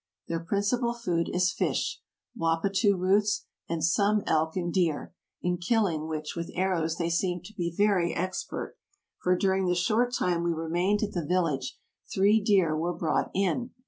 Their principal food is fish, wappatoo roots, and some elk and deer, in killing which with arrows they seem to be very expert, for during the short time we remained at the village three deer were brought in.